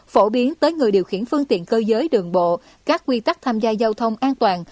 phổ biến tới người điều khiển phương tiện cơ giới đường bộ các quy tắc tham gia giao thông an toàn